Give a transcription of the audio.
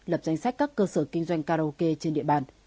lập danh sách các cơ sở kinh doanh karaoke trên địa bàn